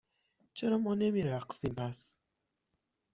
چرا ما نمی رقصیم، پس؟